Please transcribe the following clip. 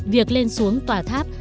việc lên xuống tòa tháp